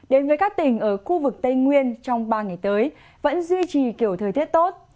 đến với các tỉnh ở khu vực tây nguyên trong ba ngày tới vẫn duy trì kiểu thời tiết tốt